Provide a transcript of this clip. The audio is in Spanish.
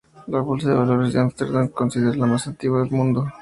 La Bolsa de Valores de Ámsterdam es considerada la más antigua del mundo.